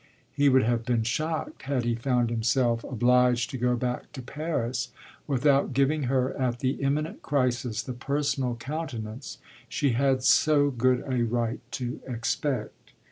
He would have been shocked had he found himself obliged to go back to Paris without giving her at the imminent crisis the personal countenance she had so good a right to expect.